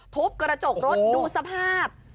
ทุบกระจกรถดูสภาพ